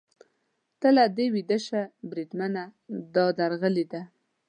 ته له دې ویده شه، بریدمنه، دا درغلي ده.